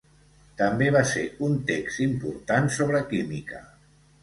També va ser un text important sobre química.